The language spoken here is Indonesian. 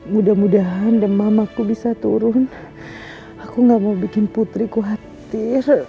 mudah mudahan demam aku bisa turun aku gak mau bikin putriku hati